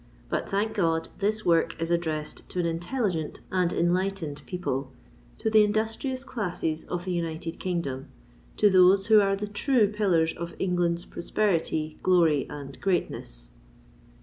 But, thank God! this work is addressed to an intelligent and enlightened people—to the industrious classes of the United Kingdom—to those who are the true pillars of England's prosperity, glory, and greatness!